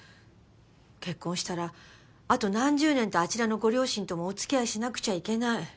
結婚したらあと何十年とあちらのご両親ともお付き合いしなくちゃいけない。